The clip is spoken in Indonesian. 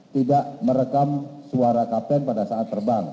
tidak merekam suara kapten pada saat terbang